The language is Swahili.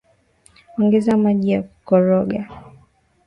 ongeza maji na kukoroga